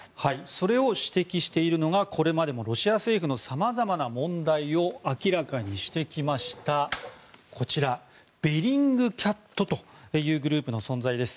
それを指摘しているのがこれまでもロシア政府の様々な問題を明らかにしてきましたこちら、ベリングキャットというグループの存在です。